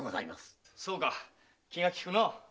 そうか気が利くのう。